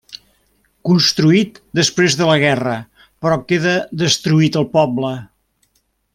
Construït després de la guerra però queda destruït el poble.